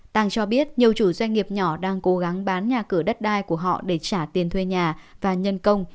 tàng cho biết nhiều chủ doanh nghiệp nhỏ đang cố gắng bán nhà cửa đất đai của họ để trả tiền thuê nhà và nhân công